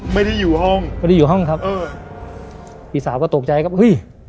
ไม่ได้อยู่ห้องไม่ได้อยู่ห้องครับเออพี่สาวก็ตกใจครับเฮ้ย